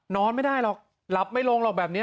นอนไม่ได้หรอกหลับไม่ลงหรอกแบบนี้